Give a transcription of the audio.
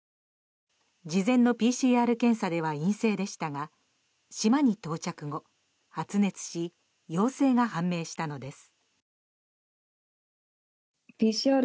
事前のＰＣＲ検査では陰性でしたが島に到着後、発熱し陽性が判明したのです。